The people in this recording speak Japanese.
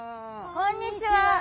こんにちは。